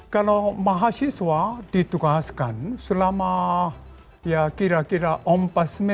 kalau mahasiswa didukaskan selama kira kira umur